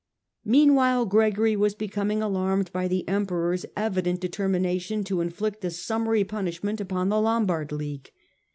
Meanwhile Gregory was becoming alarmed by the Emperor's evident determination to inflict a summary punishment upon the Lombard League.